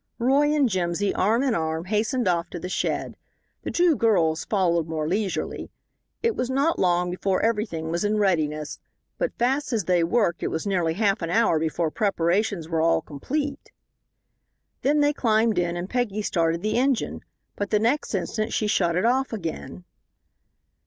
Roy and Jimsy, arm in arm, hastened off to the shed. The two girls followed more leisurely. It was not long before everything was in readiness, but fast as they worked it was nearly half an hour before preparations were all complete. Then they climbed in and Peggy started the engine. But the next instant she shut it off again.